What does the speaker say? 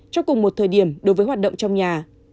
cho cùng một thời điểm đối với hoạt động trong nhà